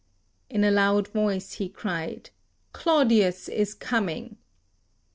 In a loud voice he cried, "Claudius is coming!"